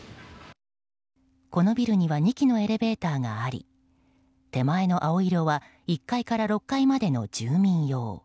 このビルには２基のエレベーターがあり手前の青色は１階から６階までの住民用。